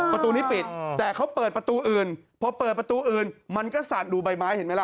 ประตูนี้ปิดแต่เขาเปิดประตูอื่นพอเปิดประตูอื่นมันก็สาดดูใบไม้เห็นไหมล่ะ